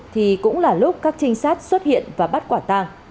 thì cũng là lúc các trinh sát xuất hiện và bắt quả tang